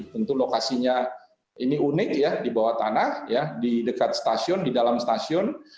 tentu lokasinya ini unik ya di bawah tanah di dekat stasiun di dalam stasiun